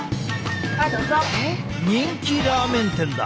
人気ラーメン店だ。